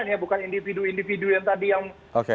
jika kemudian digolkan